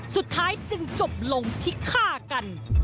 สุดท้ายจึงจบลงที่ฆ่ากัน